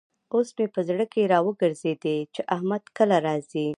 اوس مې په زړه کې را وګرزېد چې احمد کله راځي.